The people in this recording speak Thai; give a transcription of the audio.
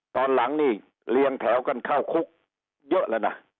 ตอนหลังนี่เรียงแถวกันเข้าคุกเยอะแล้วนะ